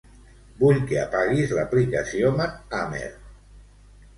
Vull que apaguis l'aplicació Mathhammer.